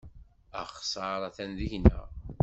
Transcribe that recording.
Axeṣṣar atan deg-neɣ.